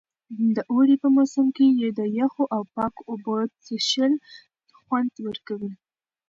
د اوړي په موسم کې د یخو او پاکو اوبو څښل خوند ورکوي.